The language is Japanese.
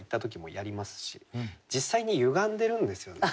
実際に歪んでるんですよね。